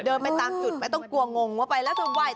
เดินไปตามจุดมาต้องกลัวงงว่าไปแล้วจะไหว